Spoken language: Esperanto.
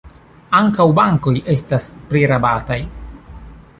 Ankaŭ bankoj estas prirabataj.